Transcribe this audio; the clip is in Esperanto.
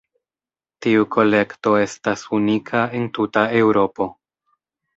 Tiu kolekto estas unika en tuta Eŭropo.